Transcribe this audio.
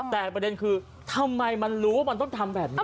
แต่ประเด็นคือทำไมมันรู้ว่ามันต้องทำแบบนี้